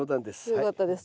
よかったです